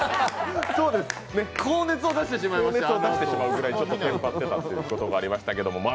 そうです、高熱を出してしまいました、あのあと。